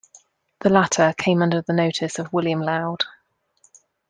The latter came under the notice of William Laud.